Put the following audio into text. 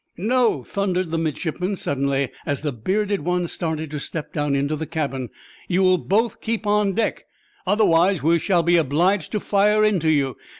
No!" thundered the midshipman, suddenly, as the bearded one started to step down into the cabin. "You will both keep on deck. Otherwise we shall be obliged to fire into you.